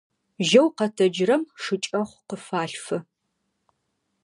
Жьэу тэджырэм шыкӀэхъу къыфалъфы.